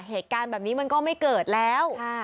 เหตุการณ์แบบนี้มันก็ไม่เกิดแล้ว